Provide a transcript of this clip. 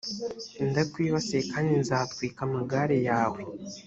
ndakwibasiye kandi nzatwika amagare yawe